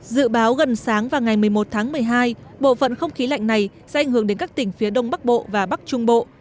dự báo gần sáng và ngày một mươi một tháng một mươi hai bộ phận không khí lạnh này sẽ ảnh hưởng đến các tỉnh phía đông bắc bộ và bắc trung bộ